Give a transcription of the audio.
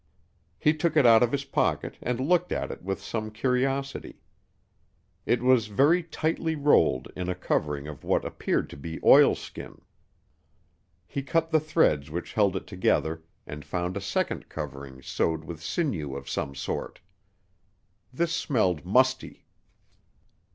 He took it out of his pocket and looked at it with some curiosity. It was very tightly rolled in a covering of what appeared to be oilskin. He cut the threads which held it together and found a second covering sewed with sinew of some sort. This smelled musty.